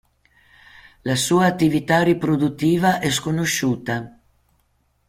La sua attività riproduttiva è sconosciuta.